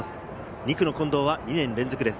２区の近藤は２年連続です。